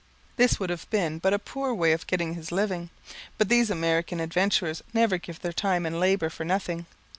This would have been but a poor way of getting his living. But these American adventurers never give their time and labour for nothing.